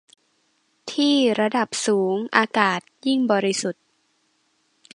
ที่ ระดับสูงอากาศยิ่งบริสุทธิ์